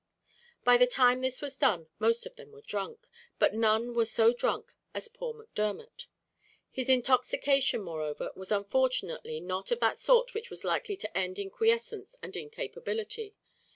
By the time this was done most of them were drunk, but none were so drunk as poor Macdermot. His intoxication, moreover, was unfortunately not of that sort which was likely to end in quiescence and incapability.